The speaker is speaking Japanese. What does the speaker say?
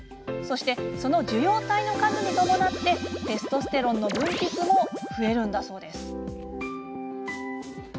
そして、その受容体の数に伴ってテストステロンの分泌も増えるんだそうです。